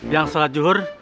yang sholat juhur